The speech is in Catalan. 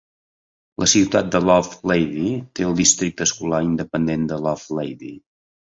La ciutat de Lovelady té el districte escolar independent de Lovelady.